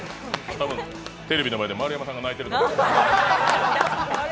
多分テレビの前で丸山さんが泣いてると思います。